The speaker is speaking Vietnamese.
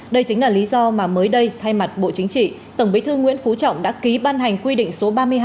đây chính là lý do mà mới đây thay mặt bộ chính trị tổng bí thư nguyễn phú trọng đã ký ban hành quy định số ba mươi hai